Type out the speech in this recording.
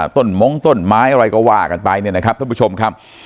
มงต้นไม้อะไรก็ว่ากันไปเนี่ยนะครับท่านผู้ชมครับ